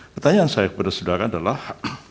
pertanyaan saya kepada saudara adalah